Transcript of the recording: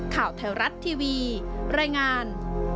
ข่าวไทยรัฐทีวีรายงาน